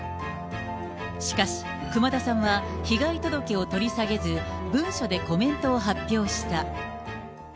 しかし、熊田さんは被害届を取り下げず、文書でコメントを発表した。